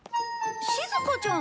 しずかちゃん！